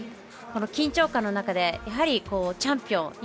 この緊張感の中でチャンピオン。